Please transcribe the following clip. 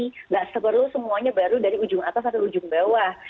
nggak perlu semuanya baru dari ujung atas atau ujung bawah